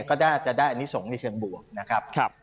ก็จะได้อันนี้ส่งในเชิงบวกนะครับ